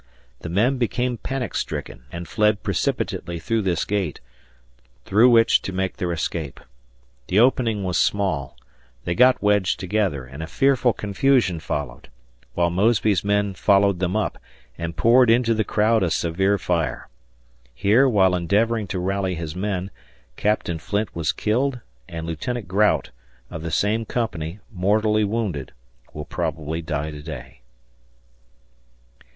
The men became panic stricken, and fled precipitately through this gate, through which to make their escape. The opening was small; they got wedged together, and a fearful confusion followed; while Mosby's men followed them up, and poured into the crowd a severe fire. Here, while endeavoring to rally his men, Capt. Flint was killed, and Lieut. Grout, of the same Company, mortally wounded (will probably die to day).